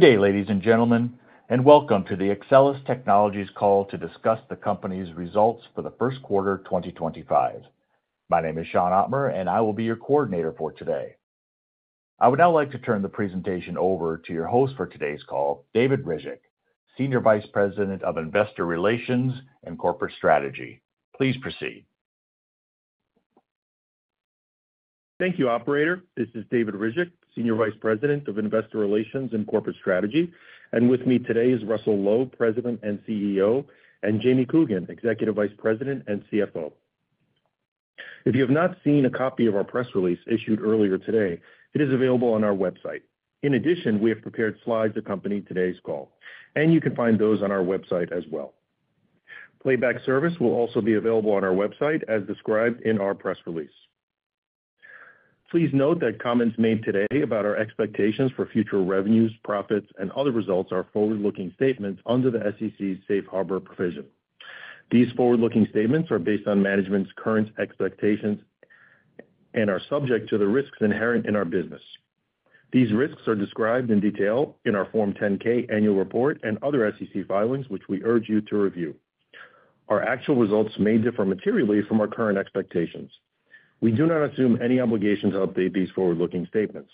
Good day, ladies and gentlemen, and welcome to the Axcelis Technologies call to discuss the company's results for the first quarter of 2025. My name is Sean Ottmer, and I will be your coordinator for today. I would now like to turn the presentation over to your host for today's call, David Ryzhik, Senior Vice President of Investor Relations and Corporate Strategy. Please proceed. Thank you, Operator. This is David Ryzhik, Senior Vice President of Investor Relations and Corporate Strategy. With me today is Russell Low, President and CEO, and Jamie Coogan, Executive Vice President and CFO. If you have not seen a copy of our press release issued earlier today, it is available on our website. In addition, we have prepared slides accompanying today's call, and you can find those on our website as well. Playback service will also be available on our website as described in our press release. Please note that comments made today about our expectations for future revenues, profits, and other results are forward-looking statements under the SEC's Safe Harbor provision. These forward-looking statements are based on management's current expectations and are subject to the risks inherent in our business. These risks are described in detail in our Form 10-K annual report and other SEC filings, which we urge you to review. Our actual results may differ materially from our current expectations. We do not assume any obligation to update these forward-looking statements.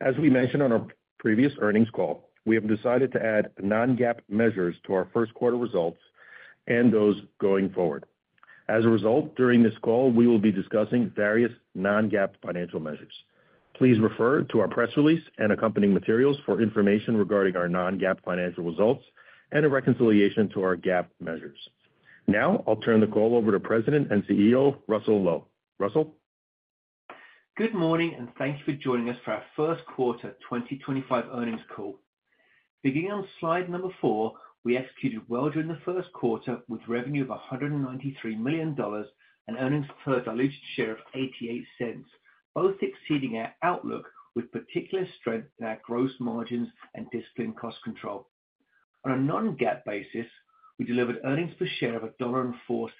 As we mentioned on our previous earnings call, we have decided to add non-GAAP measures to our first quarter results and those going forward. As a result, during this call, we will be discussing various non-GAAP financial measures. Please refer to our press release and accompanying materials for information regarding our non-GAAP financial results and a reconciliation to our GAAP measures. Now, I'll turn the call over to President and CEO Russell Low. Russell. Good morning, and thank you for joining us for our first quarter 2025 earnings call. Beginning on slide number four, we executed well during the first quarter with revenue of $193 million and earnings per diluted share of $0.88, both exceeding our outlook with particular strength in our gross margins and disciplined cost control. On a non-GAAP basis, we delivered earnings per share of $1.04.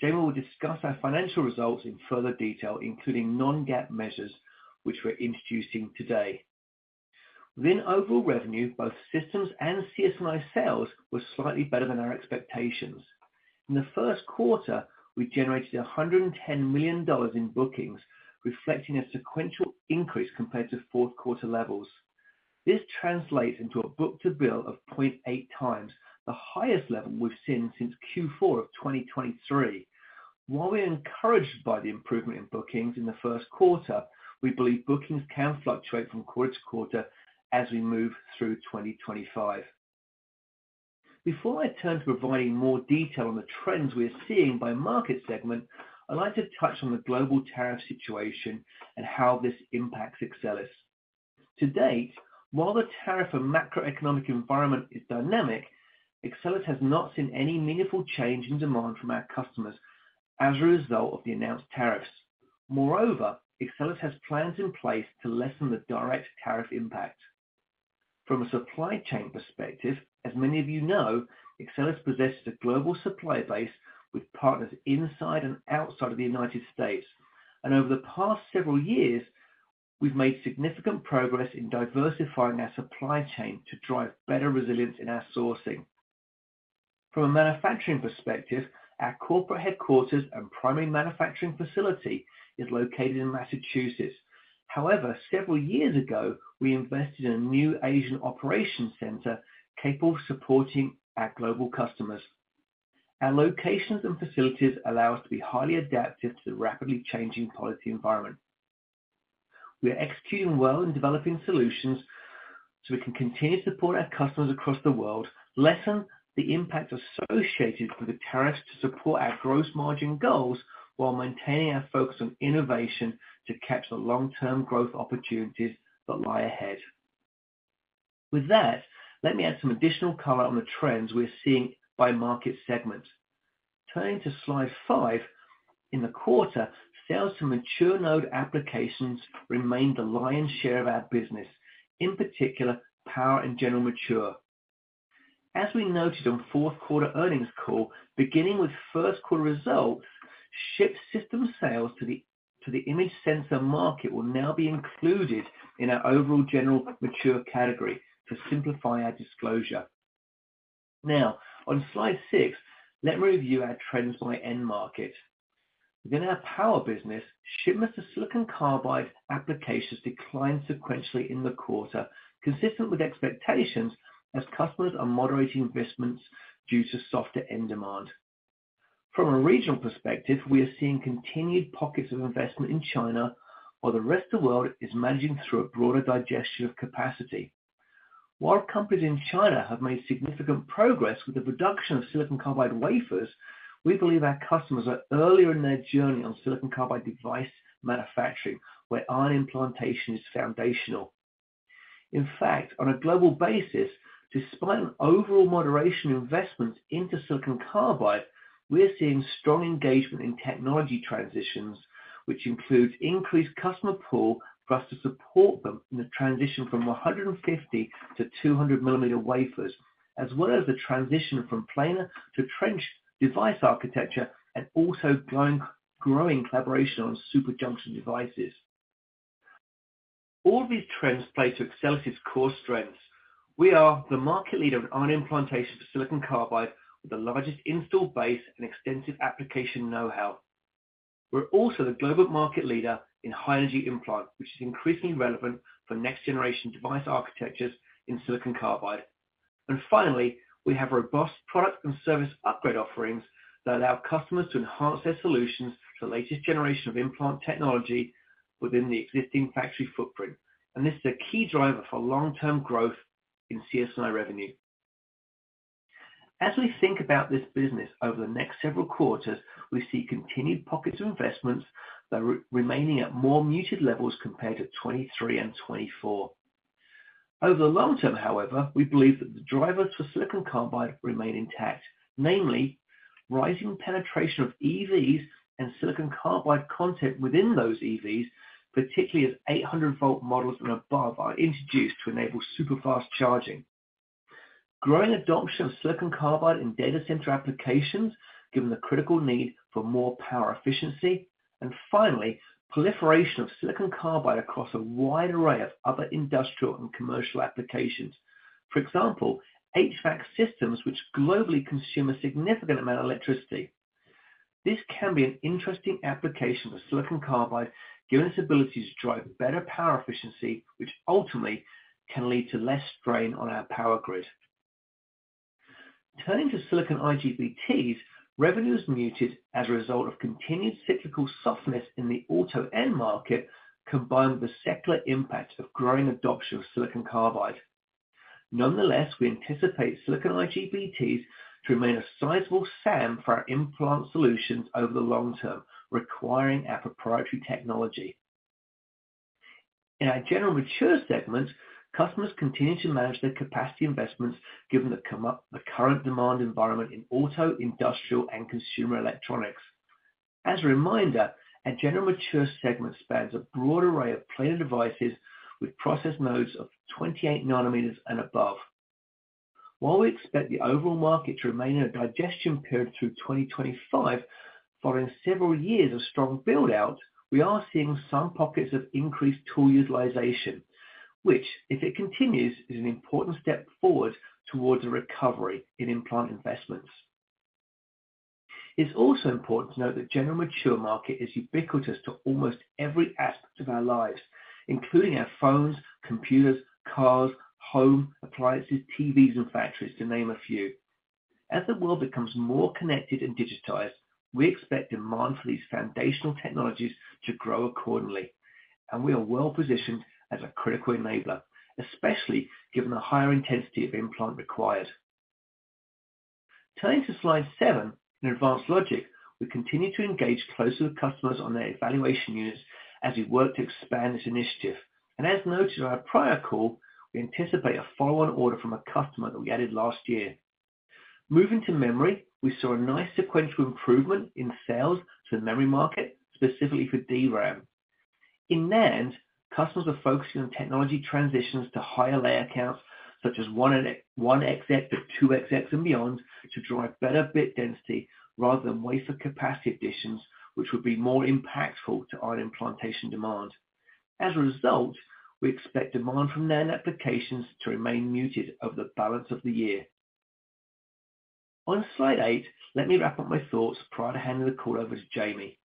Jamie will discuss our financial results in further detail, including non-GAAP measures, which we're introducing today. Within overall revenue, both systems and CS&I sales were slightly better than our expectations. In the first quarter, we generated $110 million in bookings, reflecting a sequential increase compared to fourth quarter levels. This translates into a book-to-bill of 0.8 times, the highest level we've seen since Q4 of 2023. While we are encouraged by the improvement in bookings in the first quarter, we believe bookings can fluctuate from quarter-to-quarter as we move through 2025. Before I turn to providing more detail on the trends we are seeing by market segment, I'd like to touch on the global tariff situation and how this impacts Axcelis. To date, while the tariff and macroeconomic environment is dynamic, Axcelis has not seen any meaningful change in demand from our customers as a result of the announced tariffs. Moreover, Axcelis has plans in place to lessen the direct tariff impact. From a supply chain perspective, as many of you know, Axcelis possesses a global supply base with partners inside and outside of the United States. Over the past several years, we've made significant progress in diversifying our supply chain to drive better resilience in our sourcing. From a manufacturing perspective, our corporate headquarters and primary manufacturing facility is located in Massachusetts. However, several years ago, we invested in a new Asian operations center capable of supporting our global customers. Our locations and facilities allow us to be highly adaptive to the rapidly changing policy environment. We are executing well in developing solutions so we can continue to support our customers across the world, lessen the impact associated with the tariffs to support our gross margin goals while maintaining our focus on innovation to capture the long-term growth opportunities that lie ahead. With that, let me add some additional color on the trends we are seeing by market segment. Turning to slide five, in the quarter, sales to mature node applications remained the lion's share of our business, in particular Power and General Mature. As we noted on fourth quarter earnings call, beginning with first quarter results, ship system sales to the image sensor market will now be included in our overall General Mature category to simplify our disclosure. Now, on slide six, let me review our trends by end market. Within our Power business, shipments to silicon carbide applications declined sequentially in the quarter, consistent with expectations as customers are moderating investments due to softer end demand. From a regional perspective, we are seeing continued pockets of investment in China, while the rest of the world is managing through a broader digestion of capacity. While companies in China have made significant progress with the production of silicon carbide wafers, we believe our customers are earlier in their journey on silicon carbide device manufacturing, where ion implantation is foundational. In fact, on a global basis, despite an overall moderation in investments into silicon carbide, we are seeing strong engagement in technology transitions, which includes increased customer pool for us to support them in the transition from 150 mm to 200 mm wafers, as well as the transition from planar to trench device architecture and also growing collaboration on superjunction devices. All of these trends play to Axcelis's core strengths. We are the market leader in ion implantation for silicon carbide with the largest install base and extensive application know-how. We are also the global market leader in high-energy implant, which is increasingly relevant for next-generation device architectures in silicon carbide. Finally, we have robust product and service upgrade offerings that allow customers to enhance their solutions to the latest generation of implant technology within the existing factory footprint. This is a key driver for long-term growth in CS&I revenue. As we think about this business over the next several quarters, we see continued pockets of investments that are remaining at more muted levels compared to 2023 and 2024. Over the long term, however, we believe that the drivers for silicon carbide remain intact, namely rising penetration of EVs and silicon carbide content within those EVs, particularly as 800-volt models and above are introduced to enable super-fast charging. Growing adoption of silicon carbide in data center applications given the critical need for more power efficiency. Finally, proliferation of silicon carbide across a wide array of other industrial and commercial applications. For example, HVAC systems, which globally consume a significant amount of electricity. This can be an interesting application for silicon carbide, giving us the ability to drive better power efficiency, which ultimately can lead to less strain on our power grid. Turning to silicon IGBTs, revenue is muted as a result of continued cyclical softness in the auto end market, combined with the secular impact of growing adoption of silicon carbide. Nonetheless, we anticipate silicon IGBTs to remain a sizable SAM for our implant solutions over the long term, requiring our proprietary technology. In our General Mature segment, customers continue to manage their capacity investments given the current demand environment in auto, industrial, and consumer electronics. As a reminder, our General Mature segment spans a broad array of planar devices with process nodes of 28 nm and above. While we expect the overall market to remain in a digestion period through 2025, following several years of strong buildout, we are seeing some pockets of increased tool utilization, which, if it continues, is an important step forward towards a recovery in implant investments. It's also important to note that the General Mature market is ubiquitous to almost every aspect of our lives, including our phones, computers, cars, home appliances, TVs, and factories, to name a few. As the world becomes more connected and digitized, we expect demand for these foundational technologies to grow accordingly. We are well positioned as a critical enabler, especially given the higher intensity of implant required. Turning to slide seven in advanced logic, we continue to engage closely with customers on their evaluation units as we work to expand this initiative. As noted on our prior call, we anticipate a follow-on order from a customer that we added last year. Moving to memory, we saw a nice sequential improvement in sales to the memory market, specifically for DRAM. In NAND, customers are focusing on technology transitions to higher layer counts, such as 1xx to 2xx and beyond, to drive better bit density rather than wafer capacity additions, which would be more impactful to ion implantation demand. As a result, we expect demand from NAND applications to remain muted over the balance of the year. On slide eight, let me wrap up my thoughts prior to handing the call over to Jamie.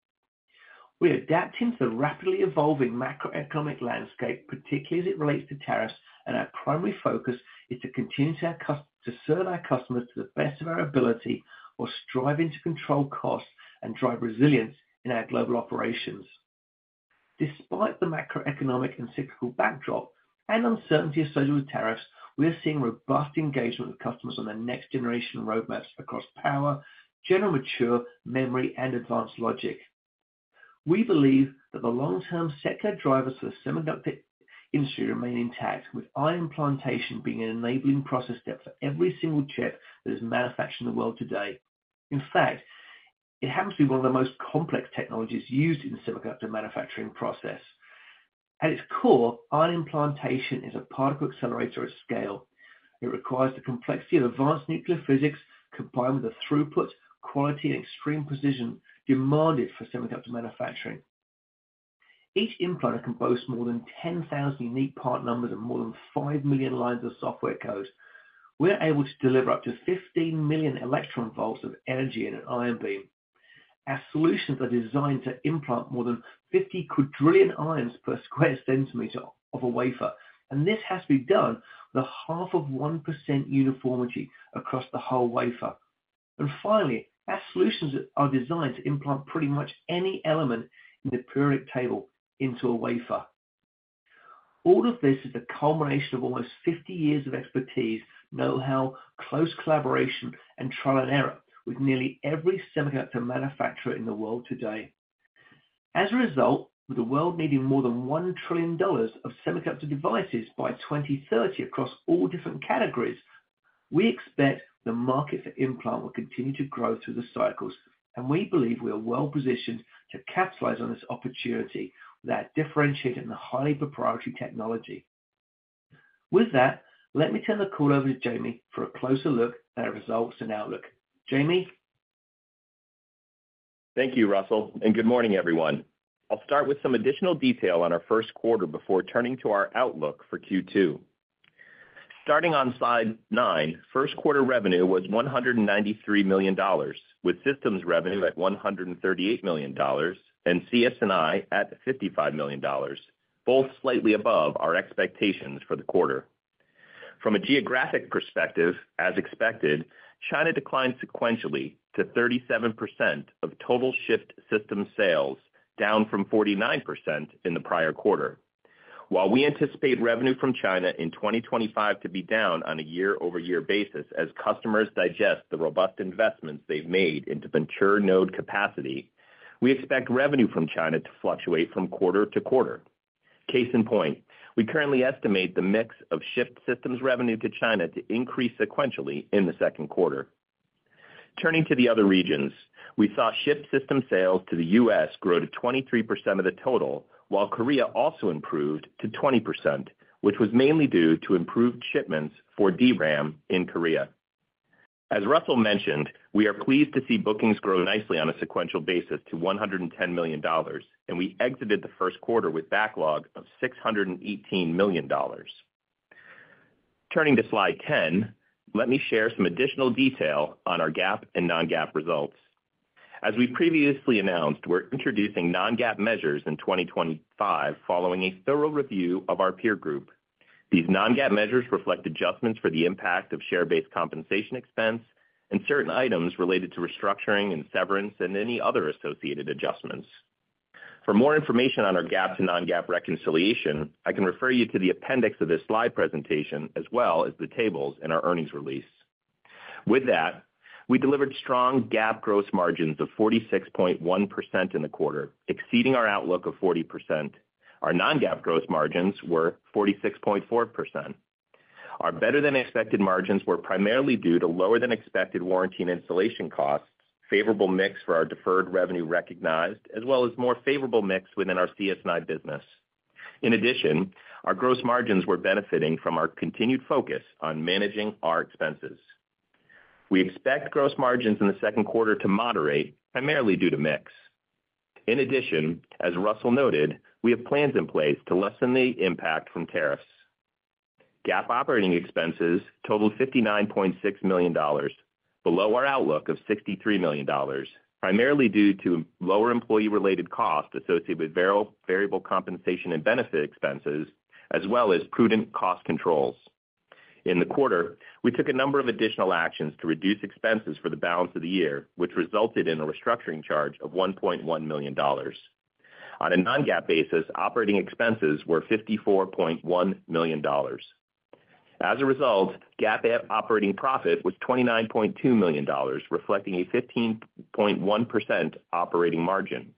We are adapting to the rapidly evolving macroeconomic landscape, particularly as it relates to tariffs, and our primary focus is to continue to serve our customers to the best of our ability while striving to control costs and drive resilience in our global operations. Despite the macroeconomic and cyclical backdrop and uncertainty associated with tariffs, we are seeing robust engagement with customers on the next-generation roadmaps across Power, General Mature, Memory, and Advanced Logic. We believe that the long-term secular drivers for the semiconductor industry remain intact, with ion implantation being an enabling process step for every single chip that is manufactured in the world today. In fact, it happens to be one of the most complex technologies used in the semiconductor manufacturing process. At its core, ion implantation is a particle accelerator at scale. It requires the complexity of advanced nuclear physics combined with the throughput, quality, and extreme precision demanded for semiconductor manufacturing. Each implant can boast more than 10,000 unique part numbers and more than 5 million lines of software code. We are able to deliver up to 15 million electron volts of energy in an ion beam. Our solutions are designed to implant more than 50 quadrillion ions per square cm of a wafer. This has to be done with a 0.5% uniformity across the whole wafer. Finally, our solutions are designed to implant pretty much any element in the periodic table into a wafer. All of this is the culmination of almost 50 years of expertise, know-how, close collaboration, and trial and error with nearly every semiconductor manufacturer in the world today. As a result, with the world needing more than $1 trillion of semiconductor devices by 2030 across all different categories, we expect the market for implant will continue to grow through the cycles. We believe we are well positioned to capitalize on this opportunity with our differentiated and highly proprietary technology. With that, let me turn the call over to Jamie for a closer look at our results and outlook. Jamie. Thank you, Russell. And good morning, everyone. I'll start with some additional detail on our first quarter before turning to our outlook for Q2. Starting on slide nine, first quarter revenue was $193 million, with systems revenue at $138 million and CS&I at $55 million, both slightly above our expectations for the quarter. From a geographic perspective, as expected, China declined sequentially to 37% of total shipped system sales, down from 49% in the prior quarter. While we anticipate revenue from China in 2025 to be down on a year-over-year basis as customers digest the robust investments they've made into mature node capacity, we expect revenue from China to fluctuate from quarter-to-quarter. Case in point, we currently estimate the mix of shipped systems revenue to China to increase sequentially in the second quarter. Turning to the other regions, we saw shipped system sales to the U.S. grow to 23% of the total, while Korea also improved to 20%, which was mainly due to improved shipments for DRAM in Korea. As Russell mentioned, we are pleased to see bookings grow nicely on a sequential basis to $110 million, and we exited the first quarter with backlog of $618 million. Turning to slide 10, let me share some additional detail on our GAAP and non-GAAP results. As we previously announced, we're introducing non-GAAP measures in 2025 following a thorough review of our peer group. These non-GAAP measures reflect adjustments for the impact of share-based compensation expense and certain items related to restructuring and severance and any other associated adjustments. For more information on our GAAP to non-GAAP reconciliation, I can refer you to the appendix of this slide presentation, as well as the tables in our earnings release. With that, we delivered strong GAAP gross margins of 46.1% in the quarter, exceeding our outlook of 40%. Our non-GAAP gross margins were 46.4%. Our better-than-expected margins were primarily due to lower-than-expected warranty and installation costs, favorable mix for our deferred revenue recognized, as well as more favorable mix within our CS&I business. In addition, our gross margins were benefiting from our continued focus on managing our expenses. We expect gross margins in the second quarter to moderate, primarily due to mix. In addition, as Russell noted, we have plans in place to lessen the impact from tariffs. GAAP operating expenses totaled $59.6 million, below our outlook of $63 million, primarily due to lower employee-related costs associated with variable compensation and benefit expenses, as well as prudent cost controls. In the quarter, we took a number of additional actions to reduce expenses for the balance of the year, which resulted in a restructuring charge of $1.1 million. On a non-GAAP basis, operating expenses were $54.1 million. As a result, GAAP operating profit was $29.2 million, reflecting a 15.1% operating margin.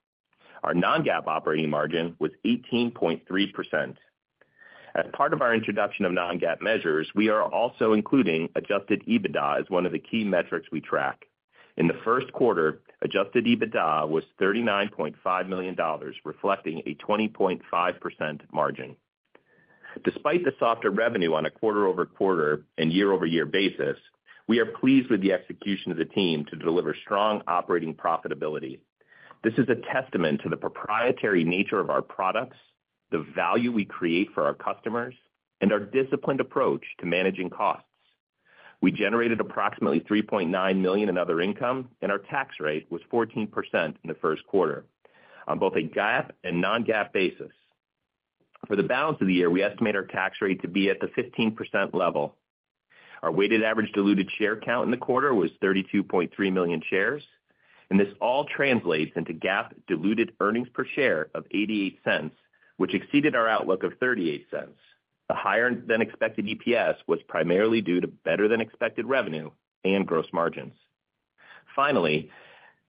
Our non-GAAP operating margin was 18.3%. As part of our introduction of non-GAAP measures, we are also including adjusted EBITDA as one of the key metrics we track. In the first quarter, adjusted EBITDA was $39.5 million, reflecting a 20.5% margin. Despite the softer revenue on a quarter-over-quarter and year-over-year basis, we are pleased with the execution of the team to deliver strong operating profitability. This is a testament to the proprietary nature of our products, the value we create for our customers, and our disciplined approach to managing costs. We generated approximately $3.9 million in other income, and our tax rate was 14% in the first quarter on both a GAAP and non-GAAP basis. For the balance of the year, we estimate our tax rate to be at the 15% level. Our weighted average diluted share count in the quarter was 32.3 million shares. This all translates into GAAP diluted earnings per share of $0.88, which exceeded our outlook of $0.38. The higher-than-expected EPS was primarily due to better-than-expected revenue and gross margins. Finally,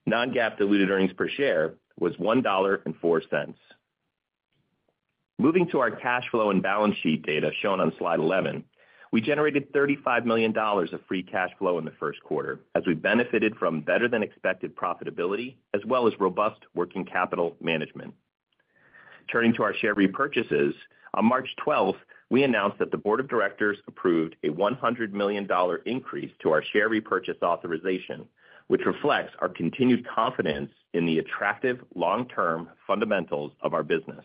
non-GAAP diluted earnings per share was $1.04. Moving to our cash flow and balance sheet data shown on slide 11, we generated $35 million of free cash flow in the first quarter, as we benefited from better-than-expected profitability, as well as robust working capital management. Turning to our share repurchases, on March 12th, we announced that the board of directors approved a $100 million increase to our share repurchase authorization, which reflects our continued confidence in the attractive long-term fundamentals of our business.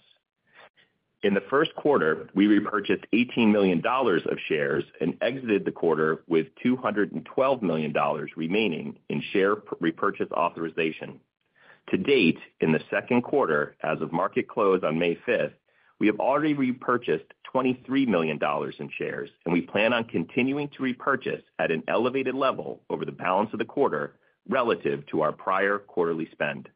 In the first quarter, we repurchased $18 million of shares and exited the quarter with $212 million remaining in share repurchase authorization. To date, in the second quarter, as of market close on May 5th, we have already repurchased $23 million in shares, and we plan on continuing to repurchase at an elevated level over the balance of the quarter relative to our prior quarterly spend.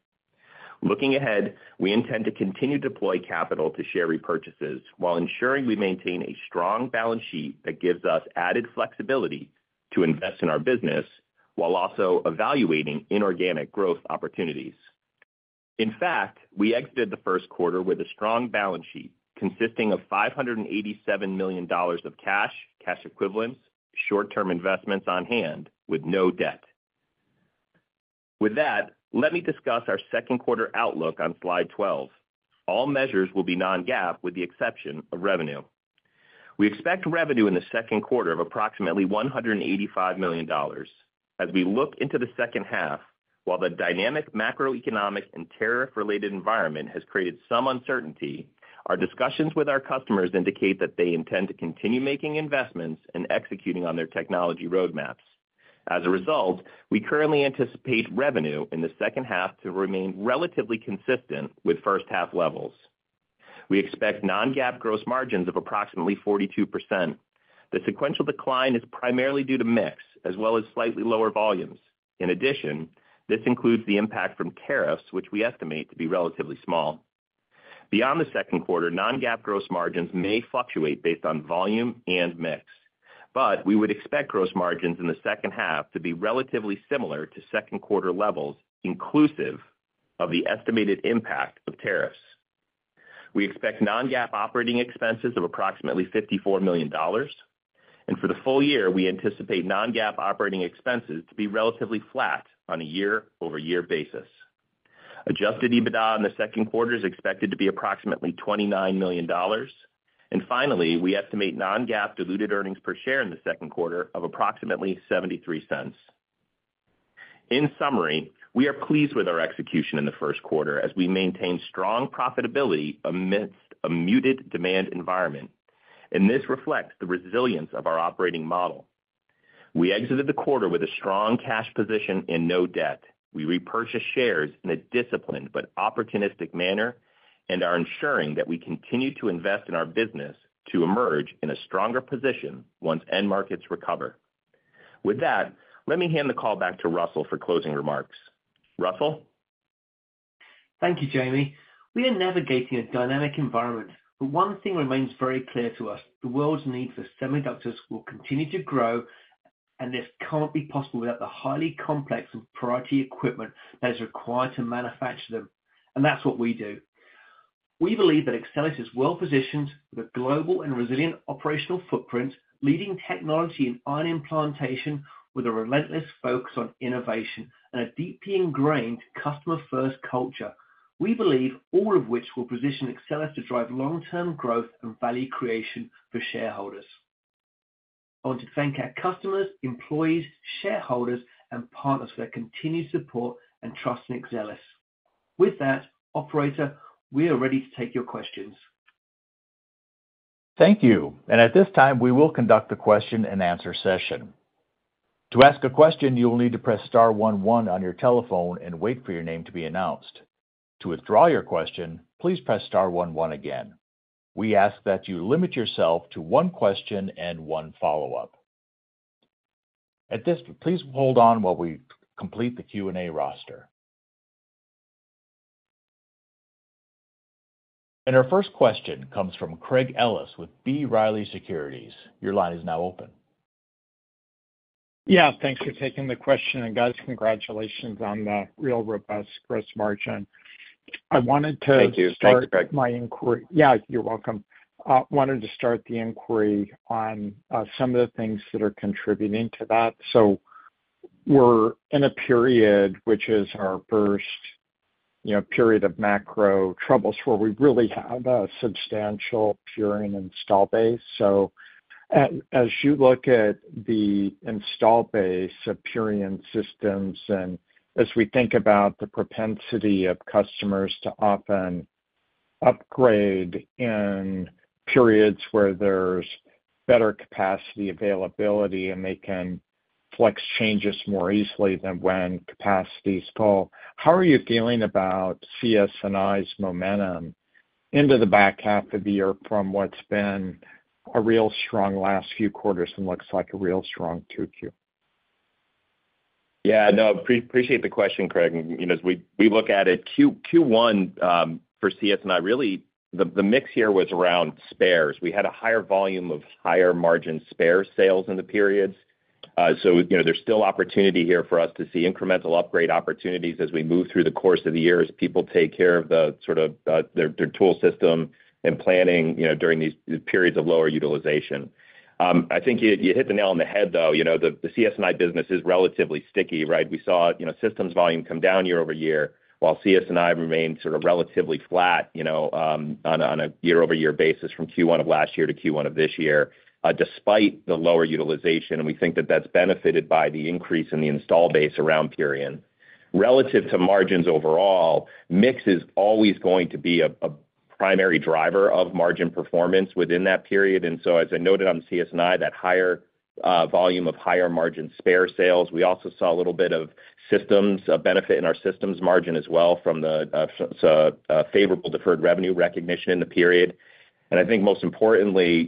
Looking ahead, we intend to continue to deploy capital to share repurchases while ensuring we maintain a strong balance sheet that gives us added flexibility to invest in our business while also evaluating inorganic growth opportunities. In fact, we exited the first quarter with a strong balance sheet consisting of $587 million of cash, cash equivalents, short-term investments on hand with no debt. With that, let me discuss our second quarter outlook on slide 12. All measures will be non-GAAP with the exception of revenue. We expect revenue in the second quarter of approximately $185 million. As we look into the second half, while the dynamic macroeconomic and tariff-related environment has created some uncertainty, our discussions with our customers indicate that they intend to continue making investments and executing on their technology roadmaps. As a result, we currently anticipate revenue in the second half to remain relatively consistent with first-half levels. We expect non-GAAP gross margins of approximately 42%. The sequential decline is primarily due to mix, as well as slightly lower volumes. In addition, this includes the impact from tariffs, which we estimate to be relatively small. Beyond the second quarter, non-GAAP gross margins may fluctuate based on volume and mix. We would expect gross margins in the second half to be relatively similar to second-quarter levels, inclusive of the estimated impact of tariffs. We expect non-GAAP operating expenses of approximately $54 million. For the full year, we anticipate non-GAAP operating expenses to be relatively flat on a year-over-year basis. Adjusted EBITDA in the second quarter is expected to be approximately $29 million. Finally, we estimate non-GAAP diluted earnings per share in the second quarter of approximately $0.73. In summary, we are pleased with our execution in the first quarter, as we maintain strong profitability amidst a muted demand environment. This reflects the resilience of our operating model. We exited the quarter with a strong cash position and no debt. We repurchased shares in a disciplined but opportunistic manner and are ensuring that we continue to invest in our business to emerge in a stronger position once end markets recover. With that, let me hand the call back to Russell for closing remarks. Russell? Thank you, Jamie. We are navigating a dynamic environment, but one thing remains very clear to us: the world's need for semiconductors will continue to grow, and this cannot be possible without the highly complex and priority equipment that is required to manufacture them. That is what we do. We believe that Axcelis is well positioned with a global and resilient operational footprint, leading technology in ion implantation with a relentless focus on innovation and a deeply ingrained customer-first culture, all of which we believe will position Axcelis to drive long-term growth and value creation for shareholders. I want to thank our customers, employees, shareholders, and partners for their continued support and trust in Axcelis. With that, operator, we are ready to take your questions. Thank you. At this time, we will conduct the question-and-answer session. To ask a question, you will need to press star one one on your telephone and wait for your name to be announced. To withdraw your question, please press star one one again. We ask that you limit yourself to one question and one follow-up. Please hold on while we complete the Q&A roster. Our first question comes from Craig Ellis with B. Riley Securities. Your line is now open. Yeah. Thanks for taking the question. Guys, congratulations on the real robust gross margin. I wanted to start. Thank you. Start. My inquiry. Yeah. You're welcome. I wanted to start the inquiry on some of the things that are contributing to that. We are in a period, which is our first period of macro troubles, where we really have a substantial Purion install base. As you look at the install base of Purion systems and as we think about the propensity of customers to often upgrade in periods where there is better capacity availability and they can flex changes more easily than when capacity is full, how are you feeling about CS&I's momentum into the back half of the year from what has been a real strong last few quarters and looks like a real strong 2Q? Yeah. No. Appreciate the question, Craig. We look at it. Q1 for CS&I, really, the mix here was around spares. We had a higher volume of higher margin spare sales in the periods. There is still opportunity here for us to see incremental upgrade opportunities as we move through the course of the year as people take care of sort of their tool system and planning during these periods of lower utilization. I think you hit the nail on the head, though. The CS&I business is relatively sticky, right? We saw systems volume come down year over year, while CS&I remained sort of relatively flat on a year-over-year basis from Q1 of last year to Q1 of this year, despite the lower utilization. We think that that is benefited by the increase in the install base around Purion. Relative to margins overall, mix is always going to be a primary driver of margin performance within that period. As I noted on CS&I, that higher volume of higher margin spare sales. We also saw a little bit of systems benefit in our systems margin as well from the favorable deferred revenue recognition in the period. I think most importantly,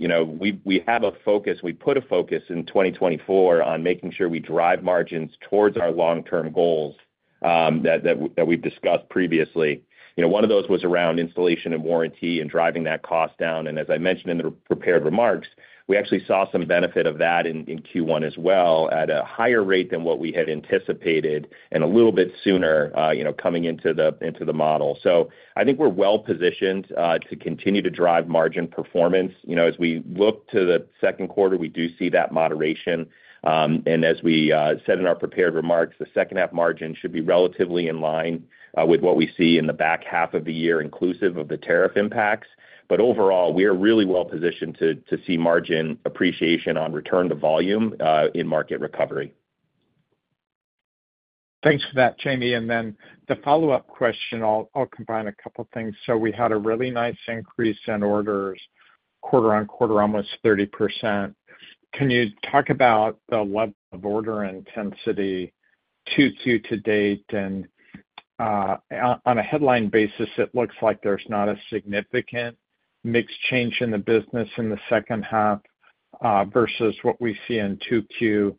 we have a focus, we put a focus in 2024 on making sure we drive margins towards our long-term goals that we've discussed previously. One of those was around installation and warranty and driving that cost down. As I mentioned in the prepared remarks, we actually saw some benefit of that in Q1 as well at a higher rate than what we had anticipated and a little bit sooner coming into the model. I think we're well positioned to continue to drive margin performance. As we look to the second quarter, we do see that moderation. As we said in our prepared remarks, the second-half margin should be relatively in line with what we see in the back half of the year, inclusive of the tariff impacts. Overall, we are really well positioned to see margin appreciation on return to volume in market recovery. Thanks for that, Jamie. The follow-up question, I'll combine a couple of things. We had a really nice increase in orders quarter on quarter, almost 30%. Can you talk about the level of order intensity 2Q to date? On a headline basis, it looks like there's not a significant mix change in the business in the second half versus what we see in 2Q.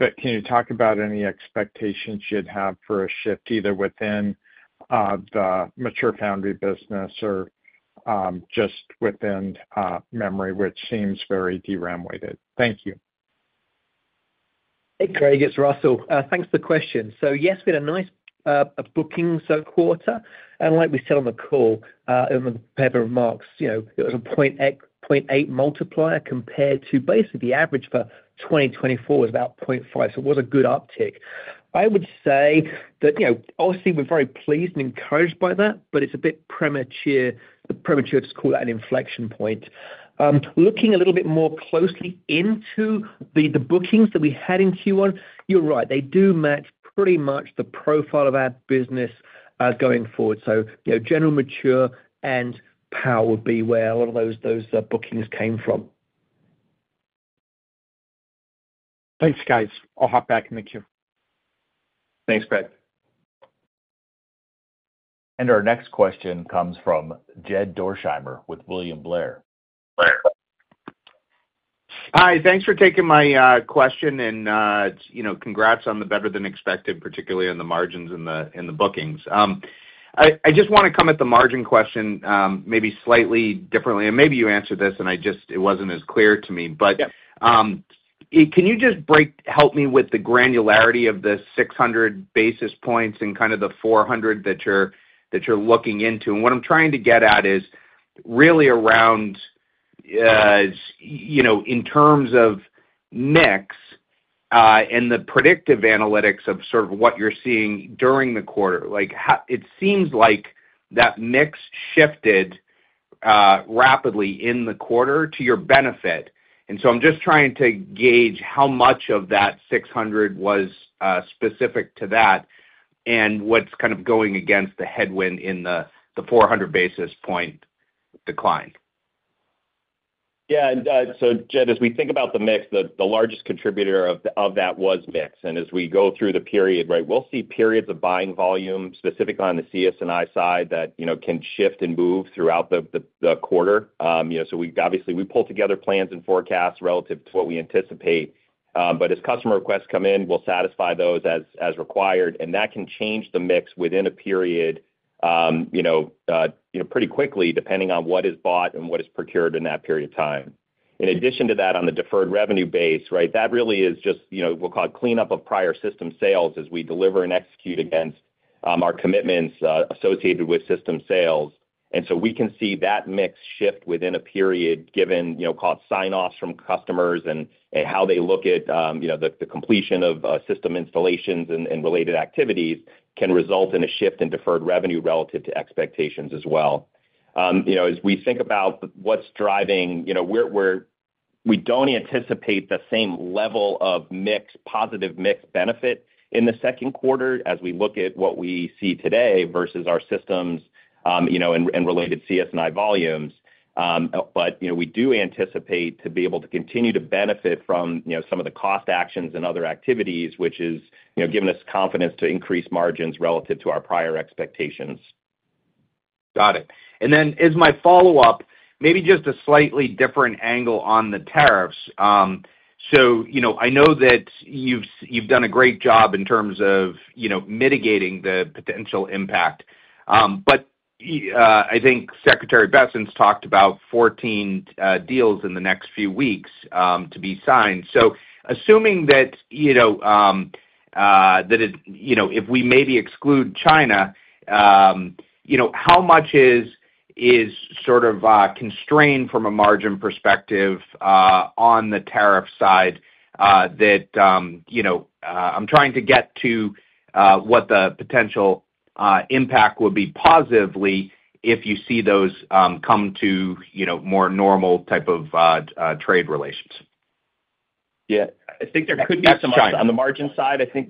Can you talk about any expectations you'd have for a shift either within the mature foundry business or just within memory, which seems very DRAM weighted? Thank you. Hey, Craig. It's Russell. Thanks for the question. Yes, we had a nice booking quarter. Like we said on the call, in the prepared remarks, it was a 0.8 multiplier compared to basically the average for 2024, which was about 0.5. It was a good uptick. I would say that, obviously, we're very pleased and encouraged by that, but it's a bit premature to call that an inflection point. Looking a little bit more closely into the bookings that we had in Q1, you're right. They do match pretty much the profile of our business going forward. General mature and power would be where a lot of those bookings came from. Thanks, guys. I'll hop back in the queue. Thanks, Craig. Our next question comes from Jed Dorsheimer with William Blair. Hi. Thanks for taking my question. And congrats on the better-than-expected, particularly on the margins and the bookings. I just want to come at the margin question maybe slightly differently. And maybe you answered this, and it was not as clear to me. But can you just help me with the granularity of the 600 basis points and kind of the 400 basis points that you are looking into? What I am trying to get at is really around in terms of mix and the predictive analytics of sort of what you are seeing during the quarter. It seems like that mix shifted rapidly in the quarter to your benefit. I am just trying to gauge how much of that 600 basis points was specific to that and what is kind of going against the headwind in the 400 basis point decline. Yeah. As we think about the mix, the largest contributor of that was mix. As we go through the period, right, we'll see periods of buying volume, specifically on the CS&I side, that can shift and move throughout the quarter. Obviously, we pull together plans and forecasts relative to what we anticipate. As customer requests come in, we'll satisfy those as required. That can change the mix within a period pretty quickly, depending on what is bought and what is procured in that period of time. In addition to that, on the deferred revenue base, right, that really is just what we'll call a cleanup of prior system sales as we deliver and execute against our commitments associated with system sales. We can see that mix shift within a period, given sign-offs from customers and how they look at the completion of system installations and related activities, can result in a shift in deferred revenue relative to expectations as well. As we think about what's driving, we don't anticipate the same level of positive mix benefit in the second quarter as we look at what we see today versus our systems and related CS&I volumes. We do anticipate to be able to continue to benefit from some of the cost actions and other activities, which has given us confidence to increase margins relative to our prior expectations. Got it. And then as my follow-up, maybe just a slightly different angle on the tariffs. I know that you've done a great job in terms of mitigating the potential impact. I think Secretary Bessent talked about 14 deals in the next few weeks to be signed. Assuming that if we maybe exclude China, how much is sort of constrained from a margin perspective on the tariff side? I'm trying to get to what the potential impact would be positively if you see those come to more normal type of trade relations. Yeah. I think there could be some on the margin side. Ex-China.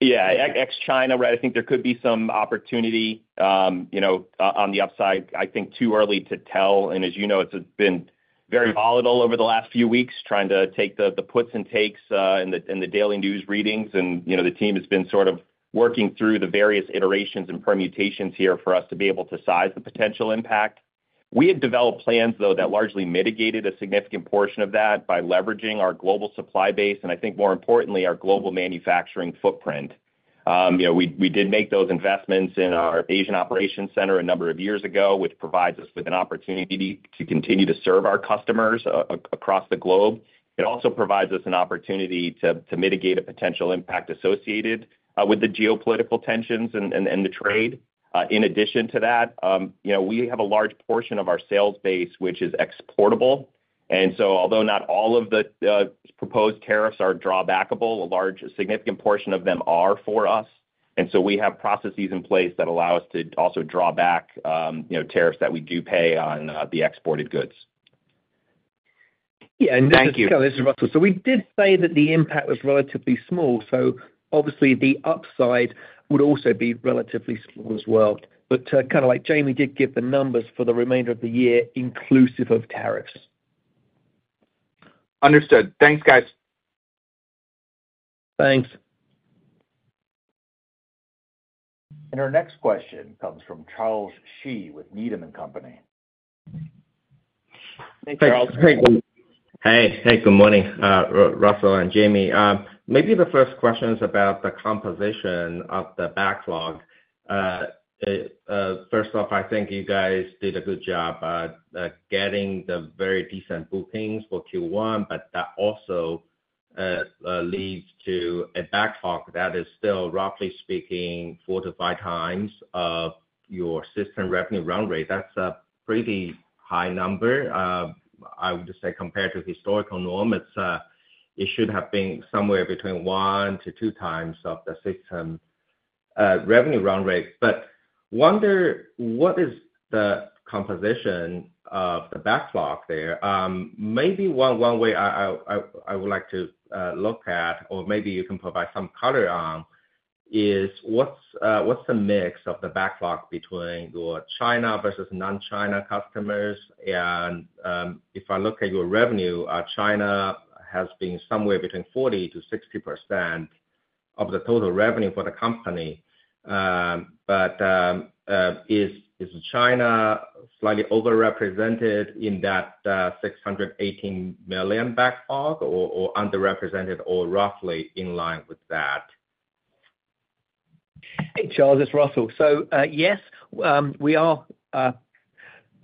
Yeah. Ex-China, right? I think there could be some opportunity on the upside. I think too early to tell. As you know, it's been very volatile over the last few weeks, trying to take the puts and takes in the daily news readings. The team has been sort of working through the various iterations and permutations here for us to be able to size the potential impact. We had developed plans, though, that largely mitigated a significant portion of that by leveraging our global supply base and, I think, more importantly, our global manufacturing footprint. We did make those investments in our Asian operations center a number of years ago, which provides us with an opportunity to continue to serve our customers across the globe. It also provides us an opportunity to mitigate a potential impact associated with the geopolitical tensions and the trade. In addition to that, we have a large portion of our sales base, which is exportable. Although not all of the proposed tariffs are drawbackable, a large significant portion of them are for us. We have processes in place that allow us to also draw back tariffs that we do pay on the exported goods. Yeah. And that's kind of. Thank you. This is Russell. We did say that the impact was relatively small. Obviously, the upside would also be relatively small as well. Jamie did give the numbers for the remainder of the year, inclusive of tariffs. Understood. Thanks, guys. Thanks. Our next question comes from Charles Shi with Needham & Company. Hey, Charles. Hey. Good morning, Russell and Jamie. Maybe the first question is about the composition of the backlog. First off, I think you guys did a good job getting the very decent bookings for Q1, but that also leads to a backlog that is still, roughly speaking, four to five times your system revenue run rate. That's a pretty high number, I would say, compared to historical norm. It should have been somewhere between one to two times of the system revenue run rate. I wonder what is the composition of the backlog there. Maybe one way I would like to look at, or maybe you can provide some color on, is what's the mix of the backlog between your China versus non-China customers? If I look at your revenue, China has been somewhere between 40%-60% of the total revenue for the company. Is China slightly overrepresented in that $618 million backlog or underrepresented or roughly in line with that? Hey, Charles. It's Russell. Yes, we are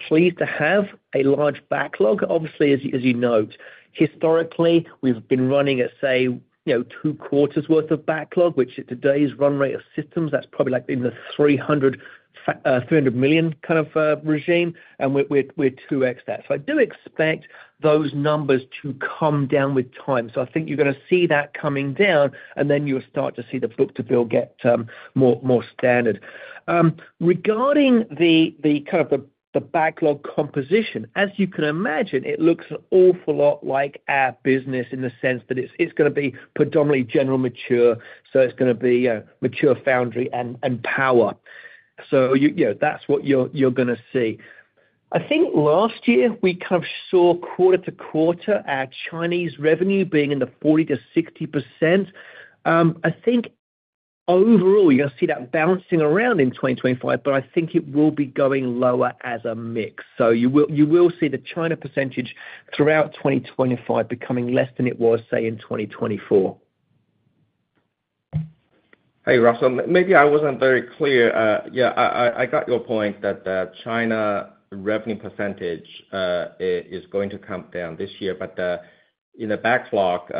pleased to have a large backlog. Obviously, as you note, historically, we've been running at, say, two quarters' worth of backlog, which at today's run rate of systems, that's probably like in the $300 million kind of regime. We are 2x that. I do expect those numbers to come down with time. I think you're going to see that coming down, and then you'll start to see the book-to-bill get more standard. Regarding kind of the backlog composition, as you can imagine, it looks an awful lot like our business in the sense that it's going to be predominantly General Mature. It's going to be Mature Foundry and Power. That's what you're going to see. I think last year, we kind of saw quarter-to-quarter our Chinese revenue being in the 40%-60% range. I think overall, you're going to see that bouncing around in 2025, but I think it will be going lower as a mix. You will see the China percentage throughout 2025 becoming less than it was, say, in 2024. Hey, Russell. Maybe I wasn't very clear. Yeah, I got your point that China revenue percentage is going to come down this year. In the backlog,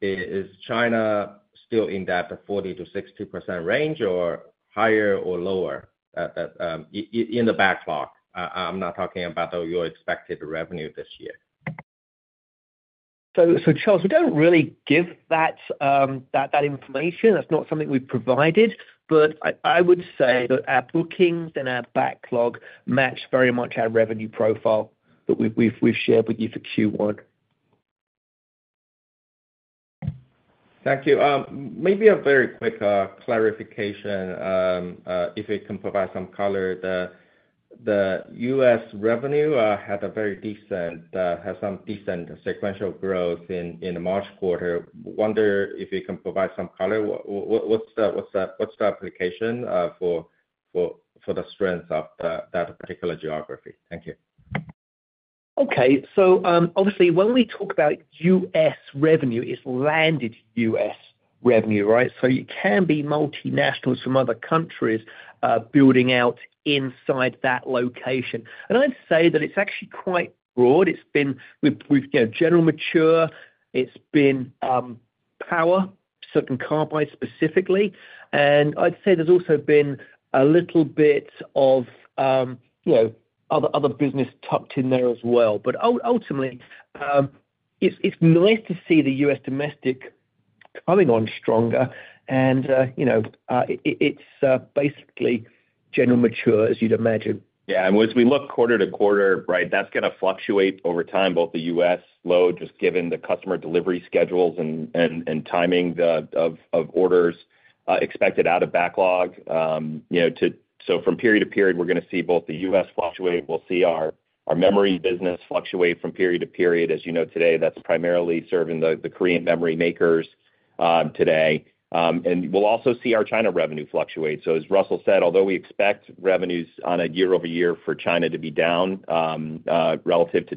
is China still in that 40%-60% range or higher or lower in the backlog? I'm not talking about your expected revenue this year. Charles, we don't really give that information. That's not something we've provided. I would say that our bookings and our backlog match very much our revenue profile that we've shared with you for Q1. Thank you. Maybe a very quick clarification, if you can provide some color. The U.S. revenue had some decent sequential growth in the March quarter. Wonder if you can provide some color. What's the application for the strength of that particular geography? Thank you. Okay. Obviously, when we talk about U.S. revenue, it's landed U.S. revenue, right? It can be multinationals from other countries building out inside that location. I'd say that it's actually quite broad. It's been with General Mature. It's been Power, SiC and Carbide specifically. I'd say there's also been a little bit of other business tucked in there as well. Ultimately, it's nice to see the U.S. domestic coming on stronger. It's basically General Mature, as you'd imagine. Yeah. As we look quarter-to-quarter, right, that is going to fluctuate over time, both the U.S. load, just given the customer delivery schedules and timing of orders expected out of backlog. From period to period, we are going to see both the U.S. fluctuate. We will see our memory business fluctuate from period to period. As you know, today, that is primarily serving the Korean memory makers today. We will also see our China revenue fluctuate. As Russell said, although we expect revenues on a year-over-year for China to be down relative to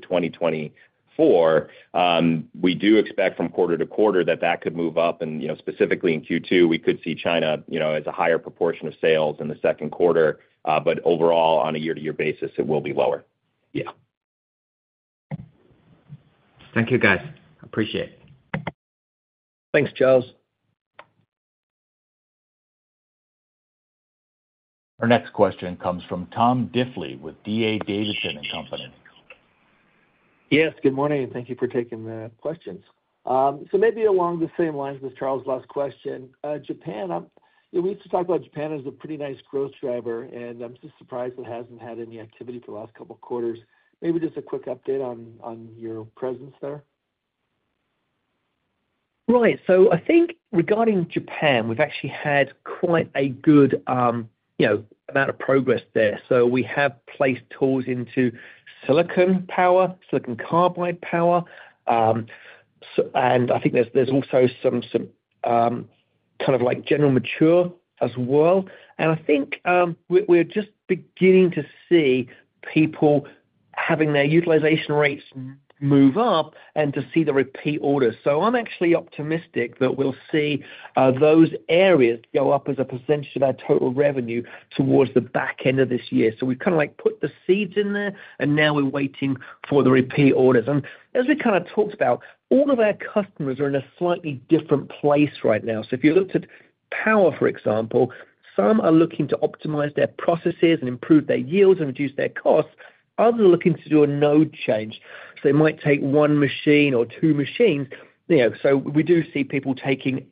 2024, we do expect from quarter-to-quarter that could move up. Specifically in Q2, we could see China as a higher proportion of sales in the second quarter. Overall, on a year-to-year basis, it will be lower. Yeah. Thank you, guys. Appreciate it. Thanks, Charles. Our next question comes from Tom Diffely with D.A. Davidson & Company. Yes. Good morning. Thank you for taking the questions. Maybe along the same lines with Charles' last question, Japan, we used to talk about Japan as a pretty nice growth driver. I'm just surprised it hasn't had any activity for the last couple of quarters. Maybe just a quick update on your presence there. Right. I think regarding Japan, we've actually had quite a good amount of progress there. We have placed tools into silicon power, silicon carbide power. I think there's also some kind of like General Mature as well. I think we're just beginning to see people having their utilization rates move up and to see the repeat orders. I'm actually optimistic that we'll see those areas go up as a percentage of our total revenue towards the back end of this year. We've kind of like put the seeds in there, and now we're waiting for the repeat orders. As we kind of talked about, all of our customers are in a slightly different place right now. If you looked at power, for example, some are looking to optimize their processes and improve their yields and reduce their costs. Others are looking to do a node change. It might take one machine or two machines. We do see people taking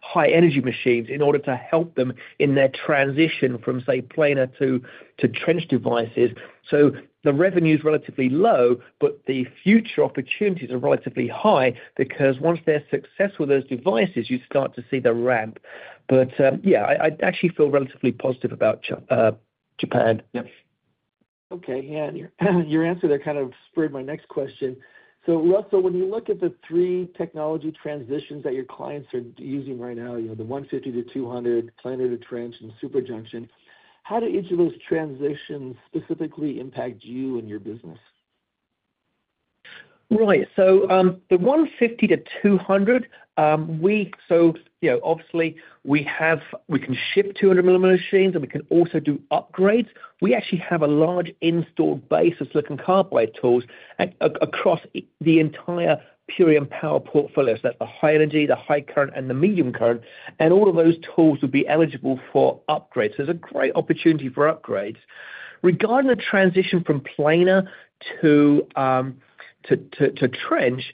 high-energy machines in order to help them in their transition from, say, planar to trench devices. The revenue is relatively low, but the future opportunities are relatively high because once they're successful with those devices, you start to see the ramp. Yeah, I actually feel relatively positive about Japan. Yep. Okay. Yeah. Your answer there kind of spurred my next question. So Russell, when you look at the three technology transitions that your clients are using right now, the 150 mm to 200 mm, planar to trench, and superjunction, how do each of those transitions specifically impact you and your business? Right. The 150 mm to 200 mm, obviously, we can ship 200-mm machines, and we can also do upgrades. We actually have a large installed base of silicon carbide tools across the entire Purion Power portfolio. That is the high energy, the high current, and the medium current. All of those tools would be eligible for upgrades. There is a great opportunity for upgrades. Regarding the transition from planar to trench,